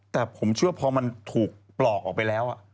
แต่ผมเชื่อพอมันถูกปลอกออกไปแล้ว